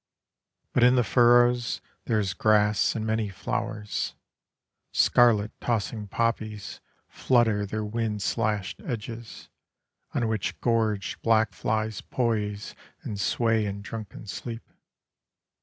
But in the furrows There is grass and many flowers. Scarlet tossing poppies Flutter their wind slashed edges, On which gorged black flies poise and sway in drunken sleep.